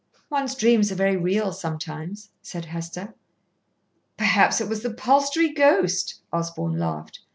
"One's dreams are very real sometimes," said Hester. "Perhaps it was the Palstrey ghost," Osborn laughed.